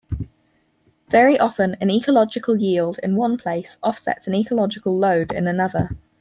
Very often an ecological yield in one place offsets an ecological load in another.